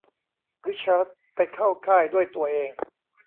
ริชาร์ดไปเข้าค่ายด้วยตัวเอง